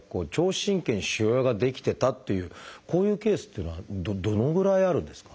神経に腫瘍が出来てたっていうこういうケースっていうのはどのぐらいあるんですか？